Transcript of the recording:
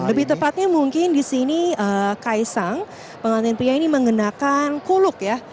lebih tepatnya mungkin di sini kaisang pengantin pria ini mengenakan kuluk ya